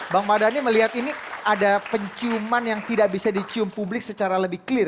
bang mardhani melihat ini ada penciuman yang tidak bisa dicium publik secara lebih clear